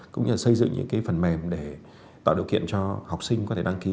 cũng như là xây dựng những phần mềm để tạo điều kiện cho học sinh có thể đăng ký